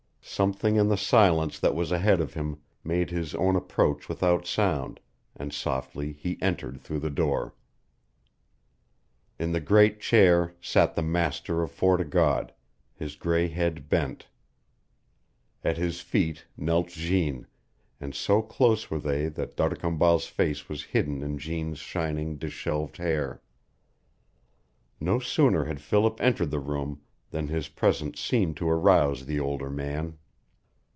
Something in the silence that was ahead of him made his own approach without sound, and softly he entered through the door. In the great chair sat the master of Fort o' God, his gray head bent; at his feet knelt Jeanne, and so close were they that D'Arcambal's face was hidden in Jeanne's shining, disheveled hair. No sooner had Philip entered the room than his presence seemed to arouse the older man.